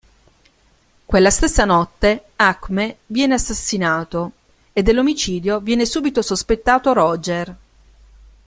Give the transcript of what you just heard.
Quella stessa notte, Acme viene assassinato, e dell'omicidio viene subito sospettato Roger.